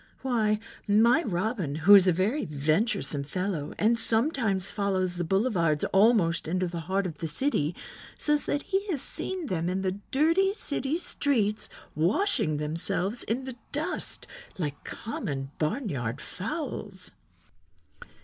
Why, my Robin, who is a very venturesome fellow and sometimes follows the boulevards almost into the heart of the city, says that he has seen them in the dirty city streets washing themselves in the dust like common barnyard fowls."